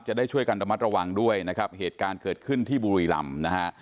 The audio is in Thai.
จะได้ช่วยกันระมัดระวังด้วยนะครับเหตุการณ์เกิดขึ้นที่บุรีรำนะฮะ